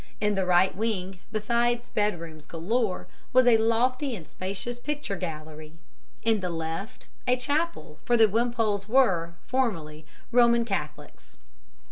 In the right wing, besides bedrooms galore, was a lofty and spacious picture gallery; in the left a chapel; for the Wimpoles were, formerly, Roman Catholics.